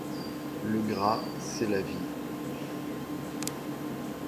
Le gras, c'est la vie.